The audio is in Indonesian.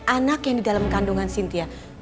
anak yang di dalam kandungan cynthia